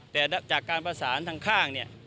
แต่จากการประสานทางข้าง